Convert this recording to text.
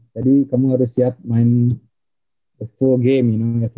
jadi kamu harus siap main game penuh ya tau